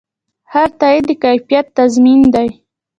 هر تایید د کیفیت تضمین دی.